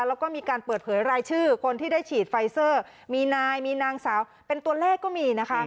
แล้วก็มีการเปิดเผยรายชื่อคนที่ได้ฉีดไฟเซอร์มีนายมีนางสาวเป็นตัวเลขก็มีนะคะ